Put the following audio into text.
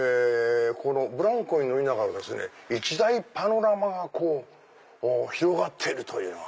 ブランコに乗りながらですね一大パノラマが広がってるのは。